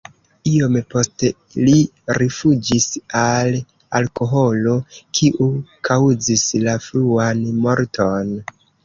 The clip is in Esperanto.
Iom poste li rifuĝis al alkoholo, kiu kaŭzis la fruan morton.